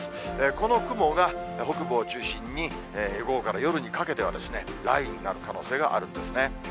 この雲が、北部を中心に午後から夜にかけては、雷雨になる可能性があるんですね。